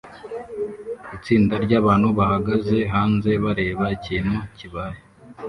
Itsinda ryabantu bahagaze hanze bareba ikintu kibaye